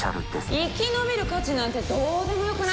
生き延びる価値なんてどうでもよくない？